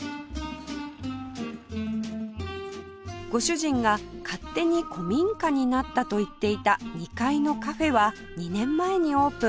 ご主人が「勝手に古民家になった」と言っていた２階のカフェは２年前にオープン